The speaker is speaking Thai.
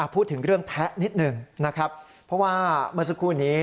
พูดถึงเรื่องแพ้นิดหนึ่งนะครับเพราะว่าเมื่อสักครู่นี้